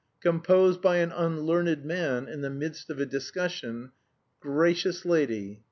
"Composed by an unlearned man in the midst of a discussion. "Gracious Lady!